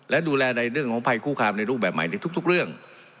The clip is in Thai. และดูแลในเรื่องของภัยคู่คามในรูปแบบใหม่ในทุกเรื่อง